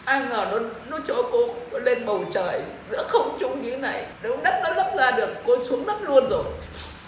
ai ngờ nó cho cô lên bầu trời giữa không trung như thế này đất nó lấp ra được cô xuống đất luôn rồi